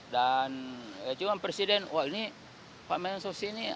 dan cuma presiden wah ini pak menyus ini